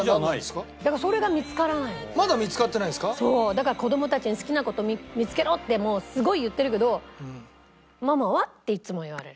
だから子供たちに好きな事見つけろってすごい言ってるけど「ママは？」っていつも言われる。